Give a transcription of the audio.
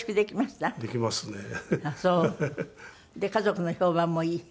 家族の評判もいい？